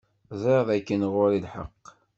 Ẓṛiɣ dakken ɣuṛ-i lḥeɣ.